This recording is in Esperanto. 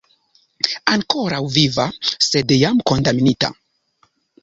Ankoraŭ viva, sed jam kondamnita.